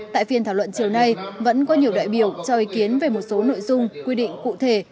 tại phiên thảo luận chiều nay vẫn có nhiều đại biểu cho ý kiến về một số nội dung quy định cụ thể